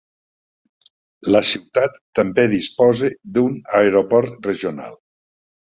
La ciutat també disposa d'un aeroport regional.